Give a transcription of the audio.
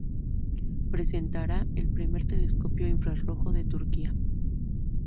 Presentará el primer telescopio infrarrojo de Turquía.